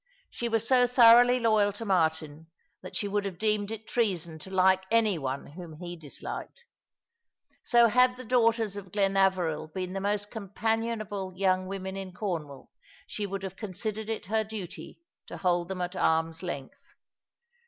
She was so thoroughly loyal to Martin that she would have deemed it treason to like any one whom he disliked; so had the daughters of Glenaveril been the most companionable young women in Cornwall she would have considered it her duty to hold them at arm's length.